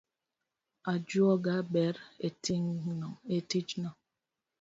Ajuoga ber etijno